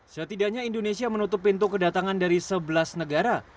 setidaknya indonesia menutup pintu kedatangan dari sebelas negara